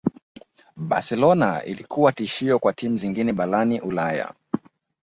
Barcelona ilikuwa tishio kwa timu zingine barani ulaya